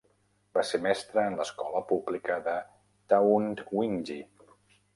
Va ser mestre en l'escola pública de Taungdwingyi.